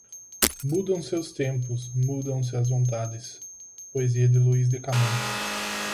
Mudam-se os tempos, mudam-se as vontades. Poesia de Luís de Camões